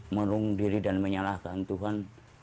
merung diri dan menyalahkan tuhan